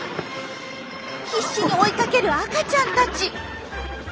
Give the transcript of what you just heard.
必死に追いかける赤ちゃんたち。